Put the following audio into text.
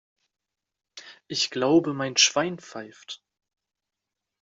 Ich glaube, mein Schwein pfeift!